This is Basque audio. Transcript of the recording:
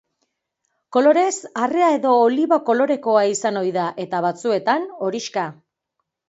Kolorez, arrea edo oliba-kolorekoa izan ohi da, eta, batzuetan, horixka.